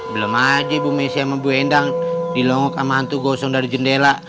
belum aja bu messi sama bu endang dilongok sama hantu gosong dari jendela